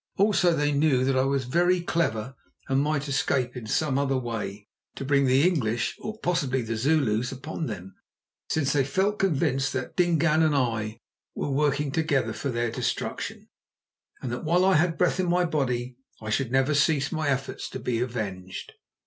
Also they knew that I was very clever and might escape in some other way to bring the English, or possibly the Zulus, upon them, since they felt convinced that Dingaan and I were working together for their destruction, and that while I had breath in my body I should never cease my efforts to be avenged.